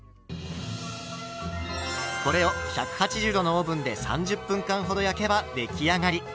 これを１８０℃のオーブンで３０分間ほど焼けば出来上がり。